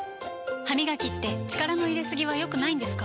歯みがきって力の入れすぎは良くないんですか？